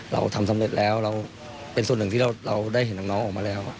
เราทำสำเร็จแล้วเราเป็นส่วนหนึ่งที่เราได้เห็นน้องออกมาแล้ว